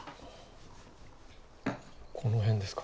この辺ですか？